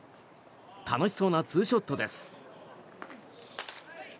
楽しそうなツーショットです。